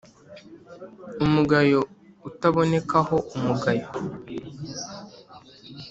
Umugayo utabonekaho umugayo